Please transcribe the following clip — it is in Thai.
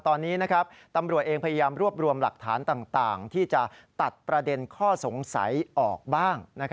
ตอนนี้ตำรวจเองพยายามรวบรวมหลักฐานต่างที่จะตัดประเด็นข้อสงสัยออกบ้าง